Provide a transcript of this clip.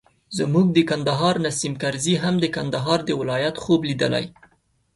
زموږ د کندهار نیسم کرزي هم د کندهار د ولایت خوب لیدلی.